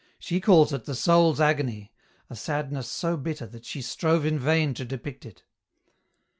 She calls it the soul's agony — a sadness so bitter that she strove in vain to depict it."